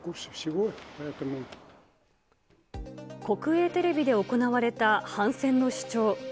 国営テレビで行われた反戦の主張。